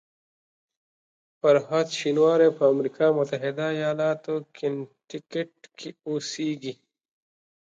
فرهاد شینواری په امریکا متحده ایالاتو کنیټیکټ کې اوسېږي.